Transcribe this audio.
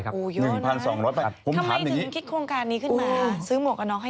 ผมถามถึงคิดโครงการนี้ขึ้นมาซื้อหมวกกระน็อกให้